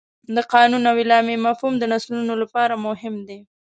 د قانون او اعلامیه مفهوم د نسلونو لپاره مهم دی.